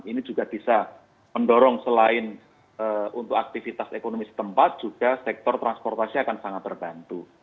ini juga bisa mendorong selain untuk aktivitas ekonomi setempat juga sektor transportasi akan sangat terbantu